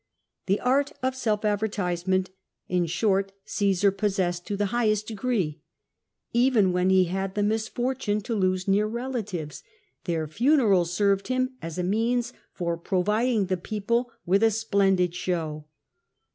The art of self advertisement, in short, Cassar possessed to the highest degree. Even when he had the misfortune to lose near relatives, their funerals served him as a means for providing the people with a splendid show.